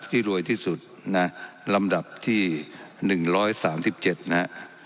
ที่รวยที่สุดนะลำดับที่หนึ่งร้อยสามสิบเจ็ดนะฮะ